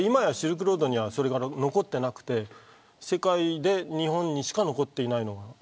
シルクロードには今それはもう残ってなくて日本にしか残っていない。